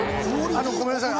あのごめんなさい